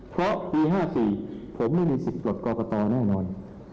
เพราะปี๕๔ผมไม่มีสิทธิ์จบกรกตแน่นอน